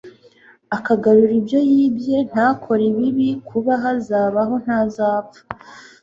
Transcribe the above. akagarura ibyo yibye.., ntakore ibibi, kubaho azabaho ntazapfa.